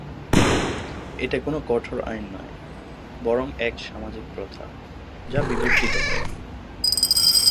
এটা কোনো কঠোর আইন নয় বরং এক সামাজিক প্রথা, যা বিবর্তিত হয়।